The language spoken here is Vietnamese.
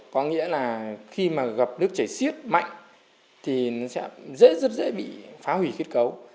có nghĩa là khi mà gặp nước chảy xiết mạnh thì nó sẽ rất dễ bị phá hủy kết cấu